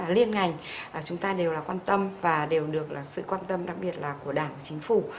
liên ngành chúng ta đều là quan tâm và đều được sự quan tâm đặc biệt là của đảng và chính phủ